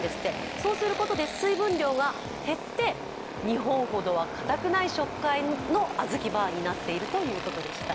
そうすることで水分量が減って日本ほどはかたくない食感のあずきバーになっているということでした。